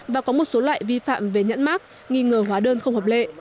và có một số loại vi phạm về nhãn mát nghi ngờ hóa đơn không hợp lệ